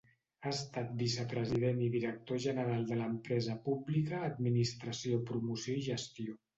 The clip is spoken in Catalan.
Ha estat vicepresident i director general de l'empresa pública Administració, Promoció i Gestió.